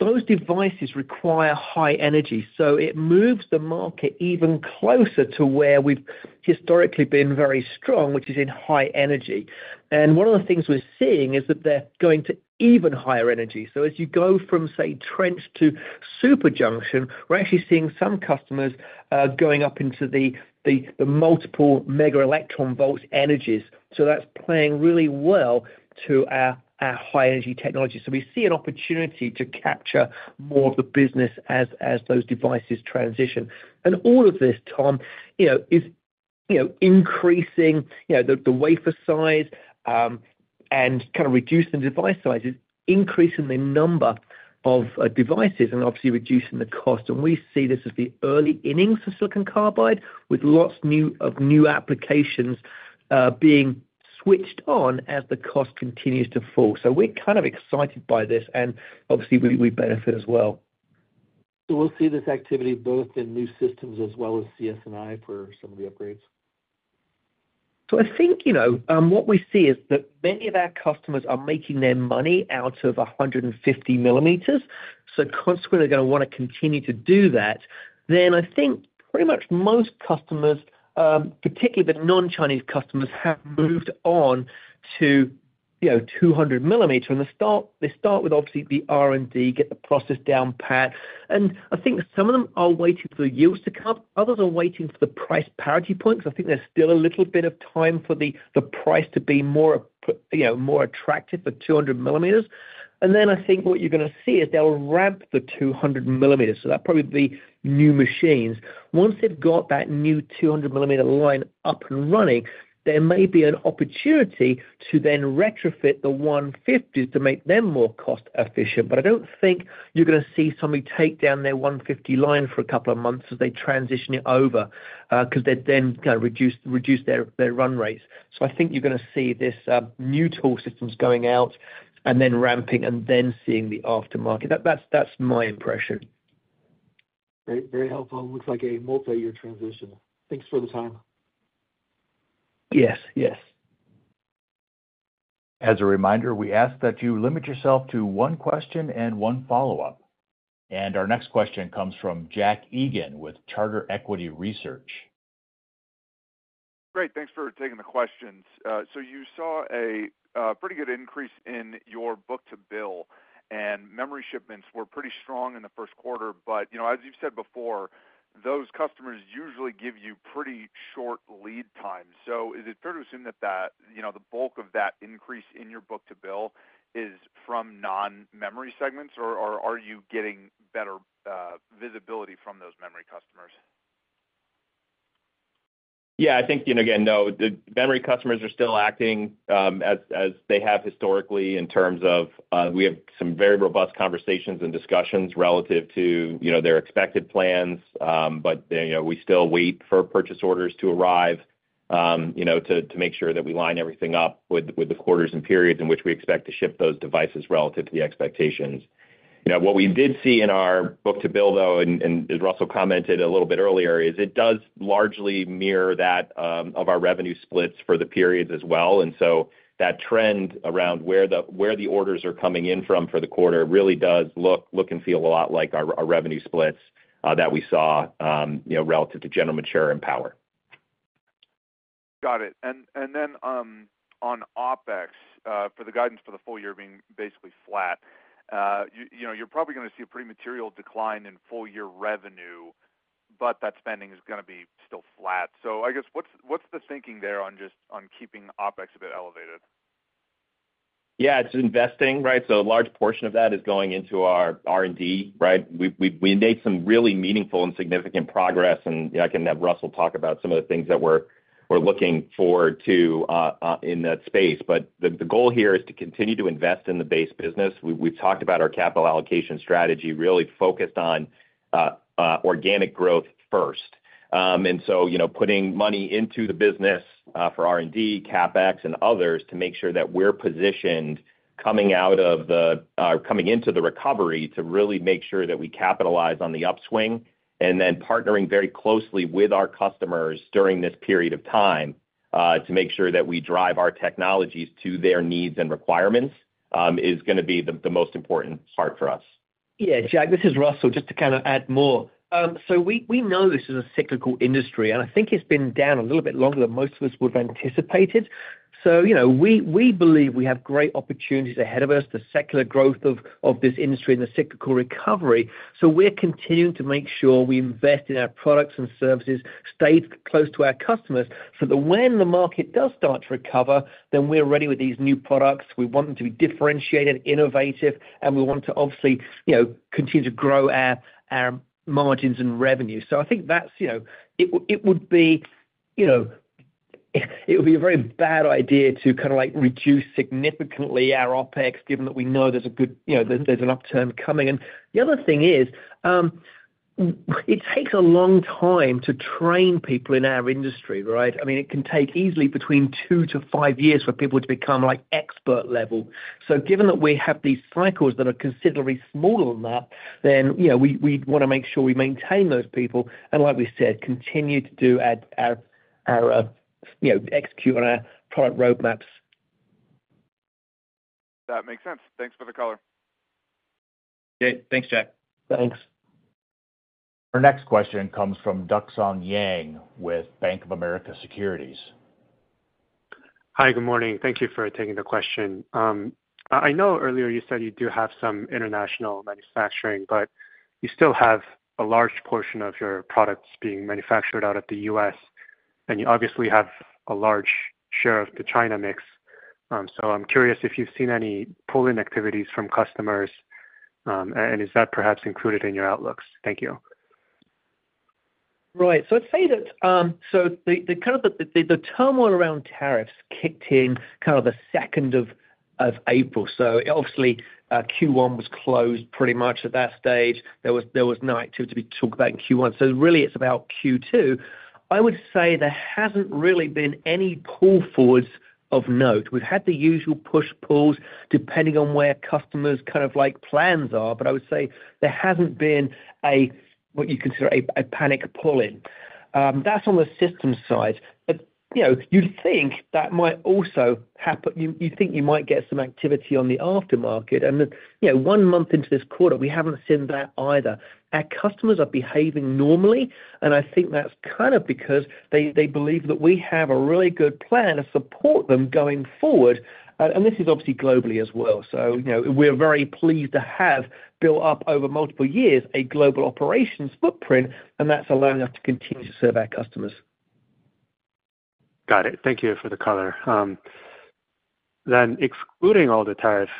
those devices require high energy. It moves the market even closer to where we have historically been very strong, which is in high energy. One of the things we are seeing is that they are going to even higher energy. As you go from, say, trench to superjunction, we are actually seeing some customers going up into the multiple mega electron volts energies. That is playing really well to our high-energy technology. We see an opportunity to capture more of the business as those devices transition. All of this, Tom, is increasing the wafer size and kind of reducing the device sizes, increasing the number of devices, and obviously reducing the cost. We see this as the early innings for silicon carbide with lots of new applications being switched on as the cost continues to fall. We are kind of excited by this, and obviously, we benefit as well. So we'll see this activity both in new systems as well as CS&I for some of the upgrades? I think what we see is that many of our customers are making their money out of 150 mm. Consequently, they're going to want to continue to do that. I think pretty much most customers, particularly the non-Chinese customers, have moved on to 200 mm. They start with, obviously, the R&D, get the process down pat. I think some of them are waiting for the yields to come up. Others are waiting for the price parity point because I think there's still a little bit of time for the price to be more attractive for 200 mm. I think what you're going to see is they'll ramp the 200 mm. That's probably the new machines. Once they've got that new 200-mm line up and running, there may be an opportunity to then retrofit the 150 mm to make them more cost-efficient. I don't think you're going to see somebody take down their 150 mm line for a couple of months as they transition it over because they're then going to reduce their run rates. I think you're going to see this new tool systems going out and then ramping and then seeing the aftermarket. That's my impression. Very helpful. Looks like a multi-year transition. Thanks for the time. Yes. Yes. As a reminder, we ask that you limit yourself to one question and one follow-up. Our next question comes from Jack Egan with Charter Equity Research. Great. Thanks for taking the questions. You saw a pretty good increase in your book-to-bill, and memory shipments were pretty strong in the first quarter. As you've said before, those customers usually give you pretty short lead times. Is it fair to assume that the bulk of that increase in your book-to-bill is from non-memory segments, or are you getting better visibility from those memory customers? Yeah. I think, again, no. The memory customers are still acting as they have historically in terms of we have some very robust conversations and discussions relative to their expected plans. We still wait for purchase orders to arrive to make sure that we line everything up with the quarters and periods in which we expect to ship those devices relative to the expectations. What we did see in our book-to-bill, though, and as Russell commented a little bit earlier, is it does largely mirror that of our revenue splits for the periods as well. That trend around where the orders are coming in from for the quarter really does look and feel a lot like our revenue splits that we saw relative to General Mature and Power. Got it. And then on OpEx, for the guidance for the full year being basically flat, you're probably going to see a pretty material decline in full-year revenue, but that spending is going to be still flat. I guess what's the thinking there on keeping OpEx a bit elevated? Yeah. It's investing, right? So a large portion of that is going into our R&D, right? We made some really meaningful and significant progress. I can have Russell talk about some of the things that we're looking forward to in that space. The goal here is to continue to invest in the base business. We've talked about our capital allocation strategy really focused on organic growth first. Putting money into the business for R&D, CapEx, and others to make sure that we're positioned coming into the recovery to really make sure that we capitalize on the upswing. Partnering very closely with our customers during this period of time to make sure that we drive our technologies to their needs and requirements is going to be the most important part for us. Yeah. Jack, this is Russell just to kind of add more. We know this is a cyclical industry, and I think it has been down a little bit longer than most of us would have anticipated. We believe we have great opportunities ahead of us, the secular growth of this industry and the cyclical recovery. We are continuing to make sure we invest in our products and services, stay close to our customers so that when the market does start to recover, we are ready with these new products. We want them to be differentiated, innovative, and we want to obviously continue to grow our margins and revenue. I think it would be a very bad idea to kind of like reduce significantly our OpEx given that we know there is a good, there is an upturn coming. The other thing is it takes a long time to train people in our industry, right? I mean, it can take easily between two years-five years for people to become like expert level. Given that we have these cycles that are considerably smaller than that, we want to make sure we maintain those people and, like we said, continue to do our execute on our product roadmaps. That makes sense. Thanks for the color. Okay. Thanks, Jack. Thanks. Our next question comes from Duksan Jang with Bank of America Securities. Hi. Good morning. Thank you for taking the question. I know earlier you said you do have some international manufacturing, but you still have a large portion of your products being manufactured out of the U.S., and you obviously have a large share of the China mix. I am curious if you have seen any pulling activities from customers, and is that perhaps included in your outlooks? Thank you. Right. I'd say that the turmoil around tariffs kicked in the 2nd of April. Obviously, Q1 was closed pretty much at that stage. There was no activity to be talked about in Q1. Really, it's about Q2. I would say there hasn't really been any pull forwards of note. We've had the usual push pulls depending on where customers' plans are, but I would say there hasn't been what you consider a panic pulling. That's on the system side. You'd think that might also happen. You'd think you might get some activity on the aftermarket. One month into this quarter, we haven't seen that either. Our customers are behaving normally, and I think that's because they believe that we have a really good plan to support them going forward. This is obviously globally as well. We are very pleased to have built up over multiple years a global operations footprint, and that is allowing us to continue to serve our customers. Got it. Thank you for the color. Excluding all the tariffs,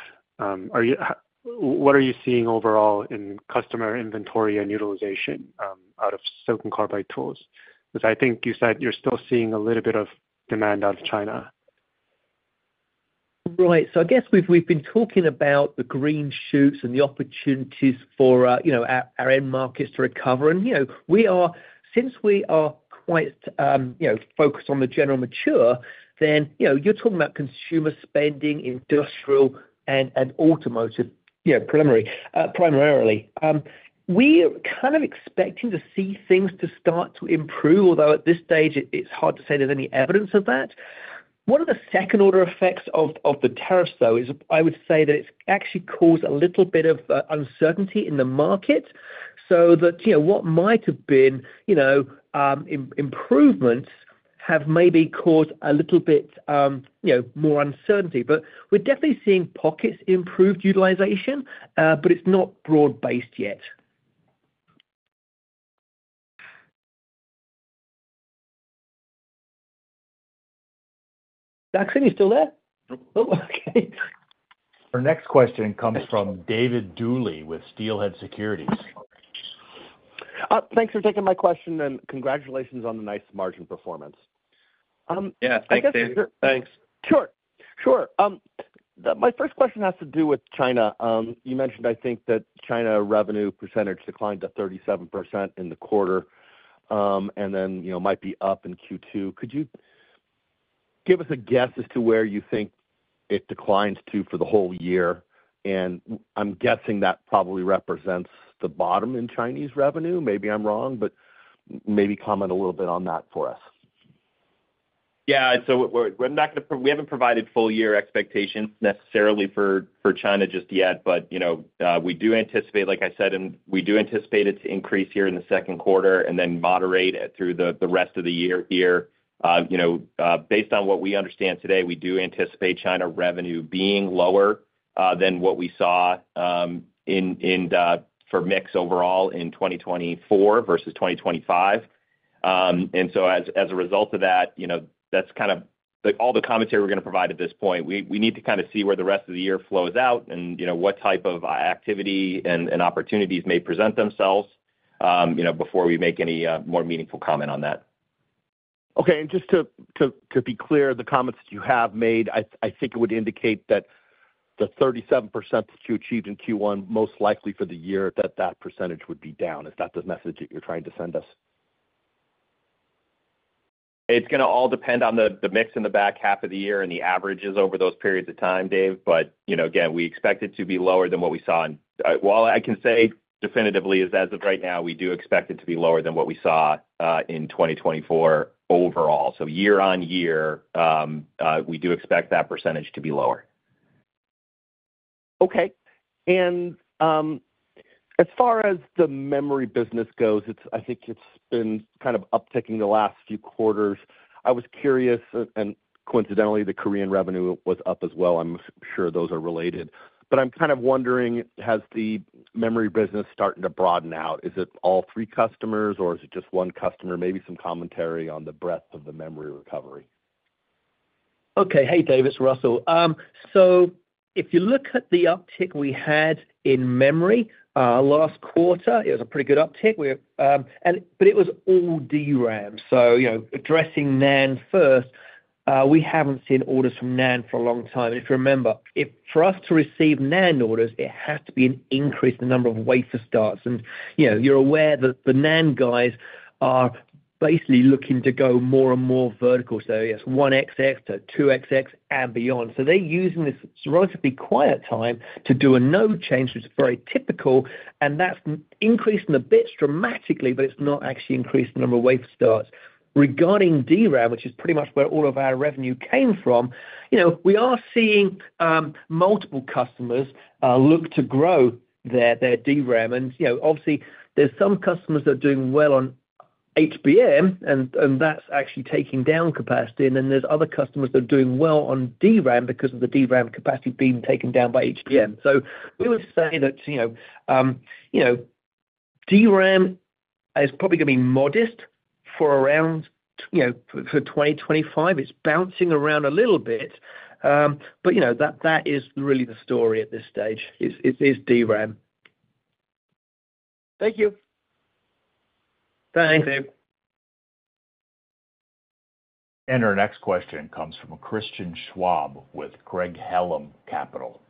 what are you seeing overall in customer inventory and utilization out of silicon carbide tools? Because I think you said you're still seeing a little bit of demand out of China. Right. I guess we've been talking about the green shoots and the opportunities for our end markets to recover. Since we are quite focused on the general mature, then you're talking about consumer spending, industrial, and automotive primarily. We are kind of expecting to see things start to improve, although at this stage, it's hard to say there's any evidence of that. One of the second-order effects of the tariffs, though, is I would say that it's actually caused a little bit of uncertainty in the market. What might have been improvements have maybe caused a little bit more uncertainty. We're definitely seeing pockets of improved utilization, but it's not broad-based yet. Jack, are you still there? Nope. Oh, okay. Our next question comes from David Duley with Steelhead Securities. Thanks for taking my question, and congratulations on the nice margin performance. Yeah. Thanks, David. Thanks. Sure. Sure. My first question has to do with China. You mentioned, I think, that China revenue percentage declined to 37% in the quarter and then might be up in Q2. Could you give us a guess as to where you think it declines to for the whole year? I'm guessing that probably represents the bottom in Chinese revenue. Maybe I'm wrong, but maybe comment a little bit on that for us. Yeah. We have not provided full-year expectations necessarily for China just yet, but we do anticipate, like I said, we do anticipate it to increase here in the second quarter and then moderate through the rest of the year here. Based on what we understand today, we do anticipate China revenue being lower than what we saw for mix overall in 2024 versus 2025. As a result of that, that is kind of all the commentary we are going to provide at this point. We need to kind of see where the rest of the year flows out and what type of activity and opportunities may present themselves before we make any more meaningful comment on that. Okay. Just to be clear, the comments that you have made, I think it would indicate that the 37% that you achieved in Q1, most likely for the year, that that percentage would be down. Is that the message that you're trying to send us? It's going to all depend on the mix in the back half of the year and the averages over those periods of time, Dave. Again, we expect it to be lower than what we saw. I can say definitively is as of right now, we do expect it to be lower than what we saw in 2024 overall. Year-on-year, we do expect that percentage to be lower. Okay. And as far as the memory business goes, I think it's been kind of upticking the last few quarters. I was curious, and coincidentally, the Korean revenue was up as well. I'm sure those are related. I'm kind of wondering, has the memory business started to broaden out? Is it all three customers, or is it just one customer? Maybe some commentary on the breadth of the memory recovery. Okay. Hey, Dave. It's Russell. If you look at the uptick we had in memory last quarter, it was a pretty good uptick. It was all DRAM. Addressing NAND first, we haven't seen orders from NAND for a long time. If you remember, for us to receive NAND orders, it has to be an increase in the number of wafer starts. You are aware that the NAND guys are basically looking to go more and more vertical. It is 1xx to 2xx and beyond. They are using this relatively quiet time to do a node change, which is very typical. That is increasing the bits dramatically, but it is not actually increasing the number of wafer starts. Regarding DRAM, which is pretty much where all of our revenue came from, we are seeing multiple customers look to grow their DRAM. Obviously, there are some customers that are doing well on HBM, and that is actually taking down capacity. There are other customers that are doing well on DRAM because of the DRAM capacity being taken down by HBM. We would say that DRAM is probably going to be modest for around for 2025. It is bouncing around a little bit. That is really the story at this stage, DRAM. Thank you. Thanks, Dave. Our next question comes from Christian Schwab with Craig-Hallum Capital.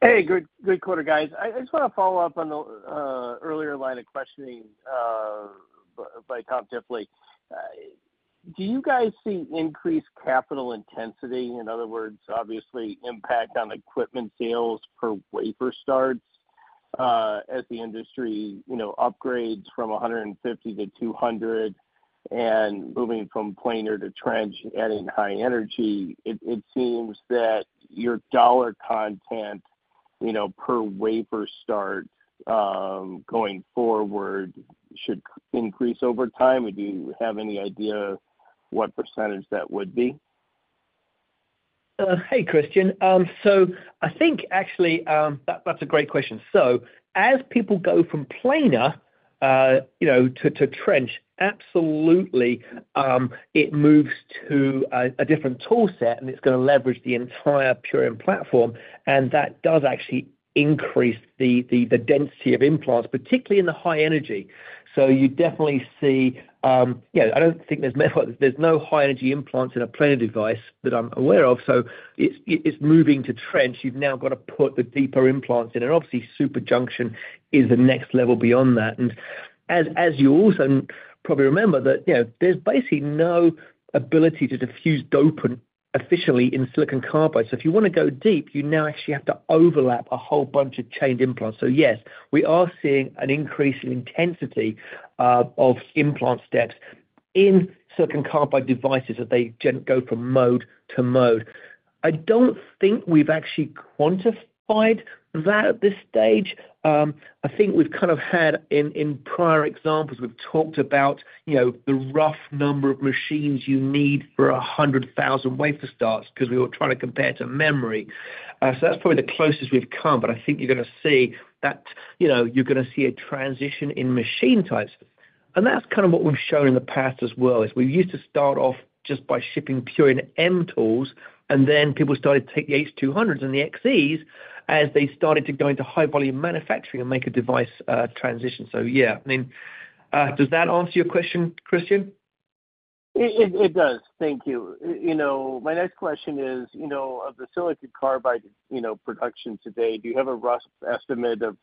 Hey, good quarter, guys. I just want to follow up on the earlier line of questioning by Tom Diffely. Do you guys see increased capital intensity, in other words, obviously impact on equipment sales per wafer starts as the industry upgrades from 150 mm to 200 mm and moving from planar to trench, adding high energy? It seems that your dollar content per wafer start going forward should increase over time. Would you have any idea what percentage that would be? Hey, Christian. I think actually that's a great question. As people go from planar to trench, absolutely, it moves to a different toolset, and it's going to leverage the entire Purion platform. That does actually increase the density of implants, particularly in the high energy. You definitely see, I don't think there's any high-energy implants in a planar device that I'm aware of. It's moving to trench. You've now got to put the deeper implants in. Obviously, superjunction is the next level beyond that. As you also probably remember, there's basically no ability to diffuse dopant efficiently in silicon carbide. If you want to go deep, you now actually have to overlap a whole bunch of chained implants. Yes, we are seeing an increase in intensity of implant steps in silicon carbide devices as they go from mode to mode. I don't think we've actually quantified that at this stage. I think we've kind of had in prior examples, we've talked about the rough number of machines you need for 100,000 wafer starts because we were trying to compare to memory. That's probably the closest we've come. I think you're going to see that you're going to see a transition in machine types. That's kind of what we've shown in the past as well. We used to start off just by shipping Purion M tools, and then people started to take the H200s and the XEs as they started to go into high-volume manufacturing and make a device transition. Yeah. I mean, does that answer your question, Christian? It does. Thank you. My next question is, of the silicon carbide production today, do you have a rough estimate of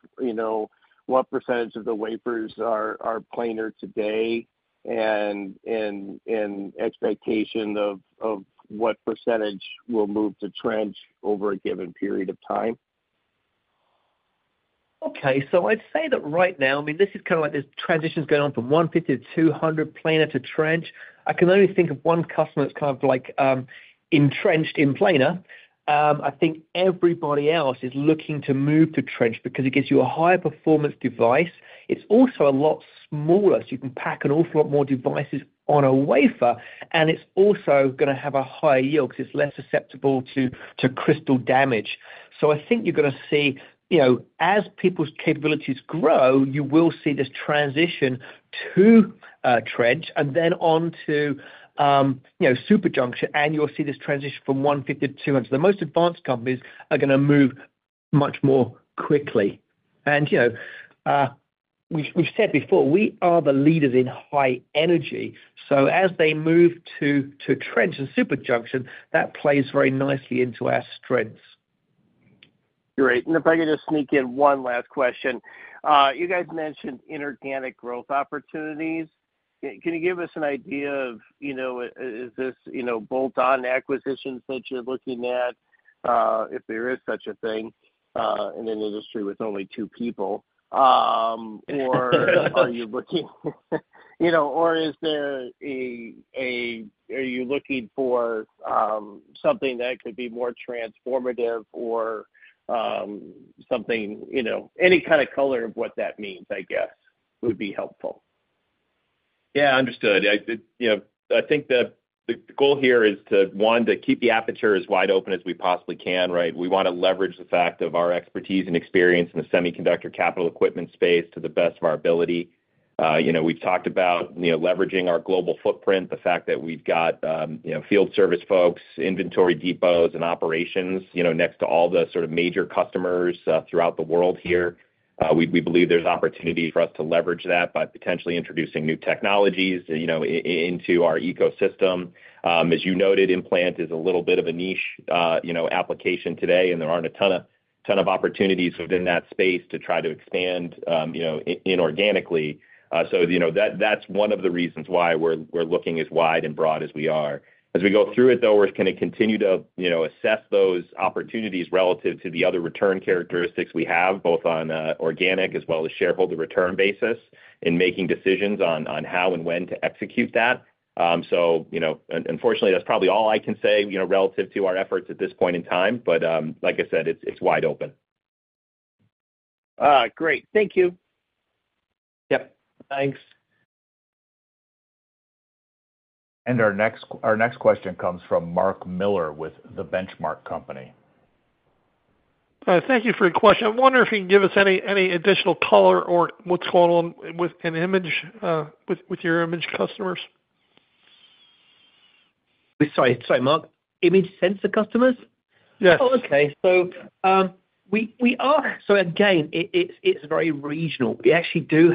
what percentage of the wafers are planar today and expectation of what percentage will move to trench over a given period of time? Okay. So I'd say that right now, I mean, this is kind of like there's transitions going on from 150 mm to 200 mm planar to trench. I can only think of one customer that's kind of like entrenched in planar. I think everybody else is looking to move to trench because it gives you a higher performance device. It's also a lot smaller, so you can pack an awful lot more devices on a wafer. It's also going to have a higher yield because it's less susceptible to crystal damage. I think you're going to see as people's capabilities grow, you will see this transition to trench and then on to superjunction, and you'll see this transition from 150 mm to 200 mm. The most advanced companies are going to move much more quickly. We've said before, we are the leaders in high-energy. As they move to trench and superjunction, that plays very nicely into our strengths. Great. If I could just sneak in one last question. You guys mentioned inorganic growth opportunities. Can you give us an idea of is this bolt-on acquisitions that you're looking at, if there is such a thing in an industry with only two people? Are you looking, or is there a, are you looking for something that could be more transformative or something? Any kind of color of what that means, I guess, would be helpful. Yeah, understood. I think the goal here is to want to keep the aperture as wide open as we possibly can, right? We want to leverage the fact of our expertise and experience in the semiconductor capital equipment space to the best of our ability. We have talked about leveraging our global footprint, the fact that we have got field service folks, inventory depots, and operations next to all the sort of major customers throughout the world here. We believe there is opportunity for us to leverage that by potentially introducing new technologies into our ecosystem. As you noted, implant is a little bit of a niche application today, and there are not a ton of opportunities within that space to try to expand inorganically. That is one of the reasons why we are looking as wide and broad as we are. As we go through it, though, we're going to continue to assess those opportunities relative to the other return characteristics we have, both on organic as well as shareholder return basis in making decisions on how and when to execute that. Unfortunately, that's probably all I can say relative to our efforts at this point in time. Like I said, it's wide open. Great. Thank you. Yep. Thanks. Our next question comes from Mark Miller with The Benchmark Company. Thank you for your question. I'm wondering if you can give us any additional color or what's going on with your image customers. Sorry, Mark. Image sensor customers? Yes. Oh, okay. We are, again, it's very regional. We actually do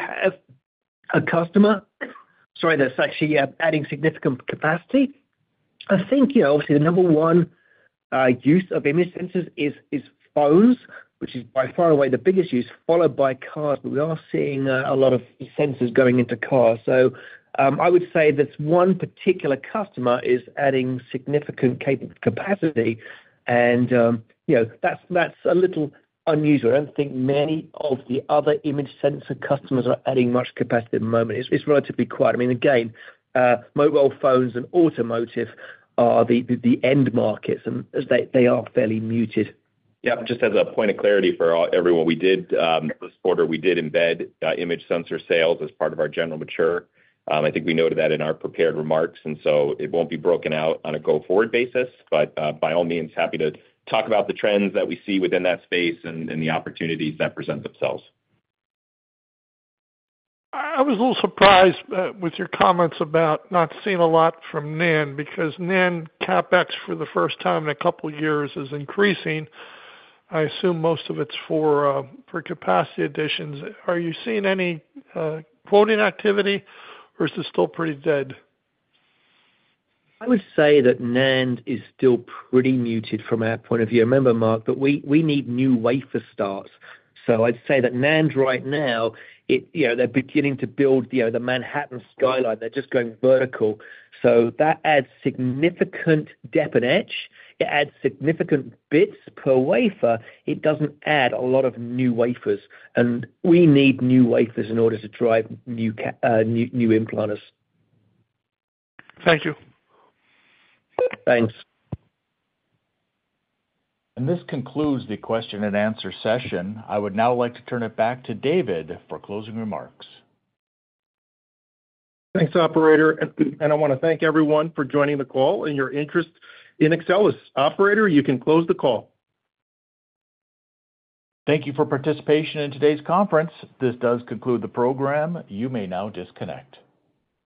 have a customer, sorry, that's actually adding significant capacity. I think, obviously, the number one use of image sensors is phones, which is by far and away the biggest use, followed by cars. We are seeing a lot of sensors going into cars. I would say this one particular customer is adding significant capacity, and that's a little unusual. I do not think many of the other image sensor customers are adding much capacity at the moment. It's relatively quiet. I mean, again, mobile phones and automotive are the end markets, and they are fairly muted. Yeah. Just as a point of clarity for everyone, we did this quarter, we did embed image sensor sales as part of our general mature. I think we noted that in our prepared remarks. It will not be broken out on a go-forward basis. By all means, happy to talk about the trends that we see within that space and the opportunities that present themselves. I was a little surprised with your comments about not seeing a lot from NAND because NAND CapEx for the first time in a couple of years is increasing. I assume most of it's for capacity additions. Are you seeing any quoting activity, or is it still pretty dead? I would say that NAND is still pretty muted from our point of view. I remember, Mark, that we need new wafer starts. I'd say that NAND right now, they're beginning to build the Manhattan skyline. They're just going vertical. That adds significant depth and edge. It adds significant bits per wafer. It does not add a lot of new wafers. We need new wafers in order to drive new implants. Thank you. Thanks. This concludes the question and answer session. I would now like to turn it back to David for closing remarks. Thanks, Operator. I want to thank everyone for joining the call and your interest in Axcelis. Operator, you can close the call. Thank you for participating in today's conference. This does conclude the program. You may now disconnect.